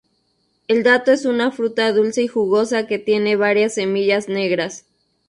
El dato es una fruta dulce y jugosa que tiene varias semillas negras.